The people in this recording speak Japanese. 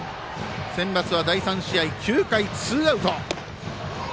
センバツは第３試合９回、ツーアウト。